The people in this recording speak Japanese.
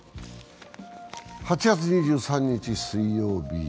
８月２３日、水曜日。